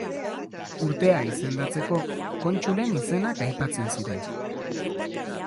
Urtea izendatzeko, kontsulen izenak aipatzen ziren.